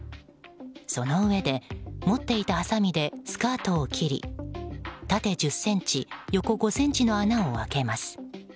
そのうえで持っていたはさみでスカートを切り縦１０ｃｍ、横５ｃｍの穴を開けます。